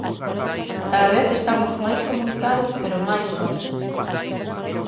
Cada vez estamos máis comunicados pero máis sós.